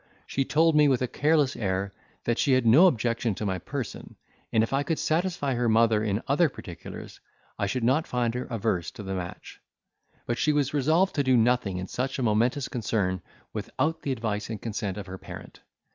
She told me, with a careless air, that she had no objection to my person, and if I could satisfy her mother in other particulars, I should not find her averse to the match; but she was resolved to do nothing in such a momentous concern without the advice and consent of her parent.